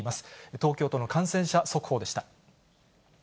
東京都の感染者速報でした。